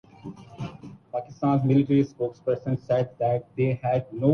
نعام اس کی طالبعلموں کی امتحان میں زیادہ نمبر حاصل کرنے کی صلاحیت پر منحصر تھا